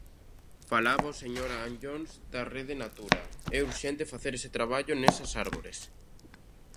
Falaba o señor Anllóns da Rede Natura: é urxente facer ese traballo nesas árbores.